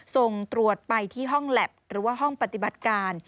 ส่งตรวจไปที่ห้องแล็บหรือว่าห้องปฏิบัติการ